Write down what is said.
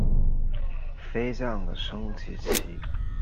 飞将的升级棋。